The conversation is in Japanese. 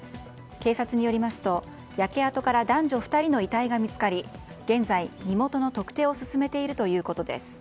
警察によりますと、焼け跡から男女２人の遺体が見つかり現在、身元の特定を進めているということです。